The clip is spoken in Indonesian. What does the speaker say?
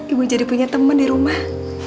ibu jadi punya teman di rumah